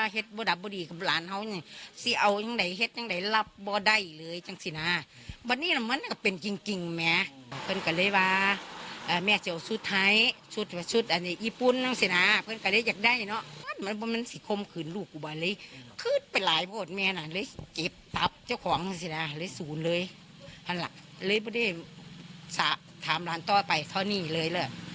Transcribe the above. ไหลปั๊ดเลยแล้วไม่ได้ถามร้านต่อไปเพราะเนี่ย